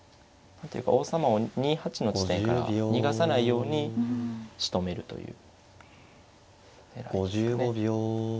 王様を２八の地点から逃がさないようにしとめるという狙いですかね。